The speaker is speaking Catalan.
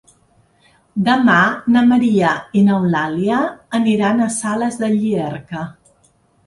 Demà na Maria i n'Eulàlia aniran a Sales de Llierca.